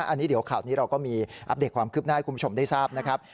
อันนี้เดี๋ยวข่าวนี้เราก็มีอัปเดตความคืบหน้าให้คุณผู้ชมได้ทราบนะครับ